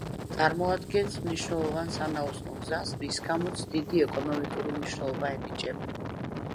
წარმოადგენს მნიშვნელოვან სანაოსნო გზას, რის გამოც დიდი ეკონომიკური მნიშვნელობა ენიჭება.